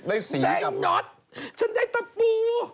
ได้เนา่ทฉันได้ขับบู